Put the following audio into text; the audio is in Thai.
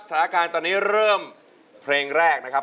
สถานการณ์ตอนนี้เริ่มเพลงแรกนะครับ